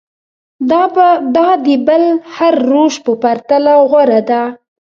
دا د بل هر روش په پرتله غوره ده.